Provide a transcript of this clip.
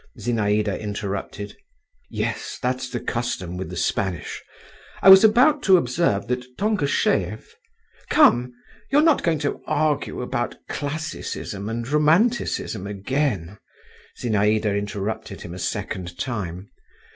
Zinaïda interrupted. "Yes. That's the custom with the Spanish. I was about to observe that Tonkosheev …" "Come! you're going to argue about classicism and romanticism again," Zinaïda interrupted him a second time."